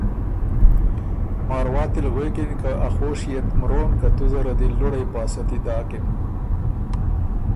ماواتی ل غوېکِن که ”ا خوشيې ت مرون که تُو زره دی لُوړئ پاسَتي داکِن“